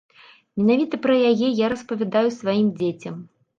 Менавіта пра яе я распавядаю сваім дзецям.